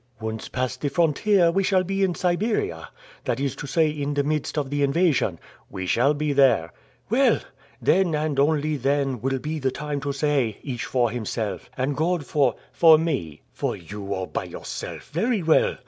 "Once past the frontier, we shall be in Siberia, that is to say in the midst of the invasion." "We shall be there." "Well! then, and only then, will be the time to say, Each for himself, and God for " "For me." "For you, all by yourself! Very well!